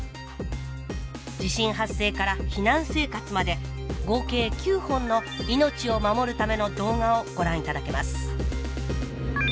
地震発生から避難生活まで合計９本の「命を守るための動画」をご覧いただけます